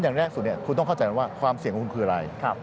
อย่างแรกสุดคุณต้องเข้าใจว่าความเสี่ยงของคุณคืออะไร